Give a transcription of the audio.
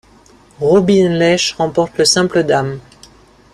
Robin Lesh remporte le simple dames.